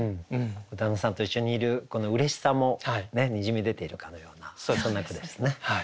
旦那さんと一緒にいるこのうれしさもにじみ出ているかのようなそんな句でしたね。